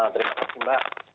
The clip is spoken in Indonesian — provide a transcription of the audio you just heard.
terima kasih mbak